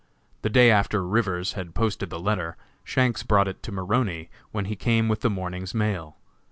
The day after Rivers had posted the letter, Shanks brought it to Maroney when he came with the morning's mail.